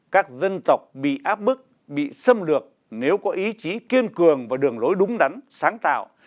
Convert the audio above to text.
các dân tộc bị áp bức bị xâm lược nếu có ý chí kiên cường và đường lối đúng đắn sáng tạo